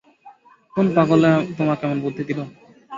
কোন পাগলে তোমাকে এমন বুদ্ধি দিল?